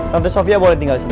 tante sofia boleh tinggal di sini